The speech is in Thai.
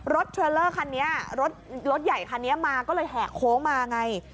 รถคันนี้รถรถใหญ่คันนี้มาก็เลยแห่โค้งมาไง